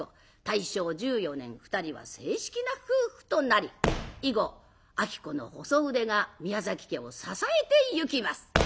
大正１４年２人は正式な夫婦となり以後子の細腕が宮崎家を支えてゆきます。